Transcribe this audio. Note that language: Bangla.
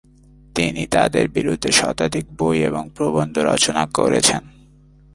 তিনি তাদের বিরুদ্ধে শতাধিক বই এবং প্রবন্ধ রচনা করেছেন।